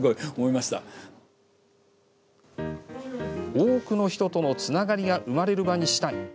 多くの人とのつながりが生まれる場にしたい。